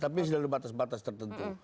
tapi dari batas batas tertentu